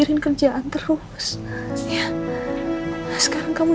yang kedua selama